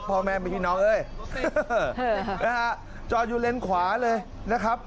พ่อแม่ไม่ใช่น้องเอ้ยนะฮะจอดอยู่เลนขวาเลยนะครับ